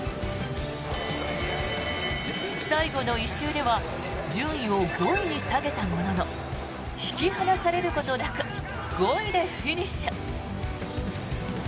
最後の１周では順位を５位に下げたものの引き離されることなく５位でフィニッシュ。